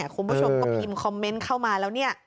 คุณผู้ชมก็พิมพ์คอมเมนต์เข้ามาแล้วเนี่ย